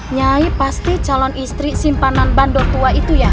nyai pasti calon istri simpanan bando tua itu ya